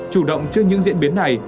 chủ động trước những diễn biến này